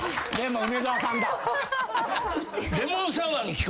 梅沢さんだ。